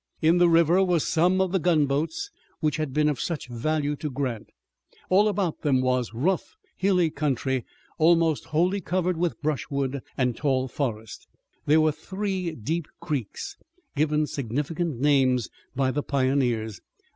In the river were some of the gunboats which had been of such value to Grant. All about them was rough, hilly country, almost wholly covered with brushwood and tall forest. There were three deep creeks, given significant names by the pioneers.